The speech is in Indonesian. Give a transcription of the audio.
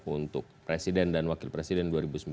untuk presiden dan wakil presiden dua ribu sembilan belas